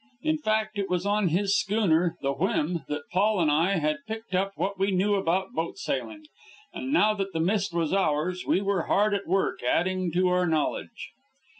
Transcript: In fact, it was on his schooner, the Whim, that Paul and I had picked up what we knew about boat sailing, and now that the Mist was ours, we were hard at work adding to our knowledge.